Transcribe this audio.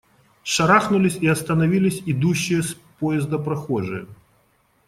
Шарахнулись и остановились идущие с поезда прохожие.